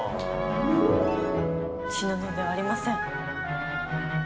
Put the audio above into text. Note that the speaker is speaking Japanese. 「死ぬのではありません」。